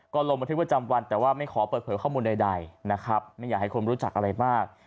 ก็ลงบันทึกประจำวันแต่ว่าไม่ขอเปิดเผยข้อมูลใดนะครับไม่อยากให้คนรู้จักอะไรมาก